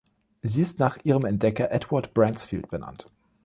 Sie ist nach ihrem Entdecker Edward Bransfield benannt.